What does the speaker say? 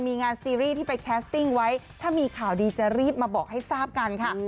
มีงานซีรีส์ที่ไปแคสติ้งไว้ถ้ามีข่าวดีจะรีบมาบอกให้ทราบกันค่ะ